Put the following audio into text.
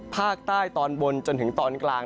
ภาคใต้ตอนบนจนถึงตอนกลาง